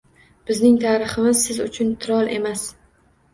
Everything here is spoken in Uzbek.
Bizning tariximiz siz uchun trol emas